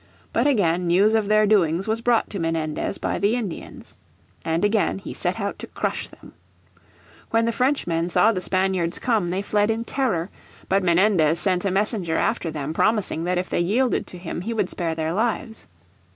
But again news of their doings was brought to Menendez by the Indians. And again he set out to crush them. When the Frenchmen saw the Spaniards come they fled in terror. But Menendez sent a messenger after them promising that if they yielded to him he would spare their lives.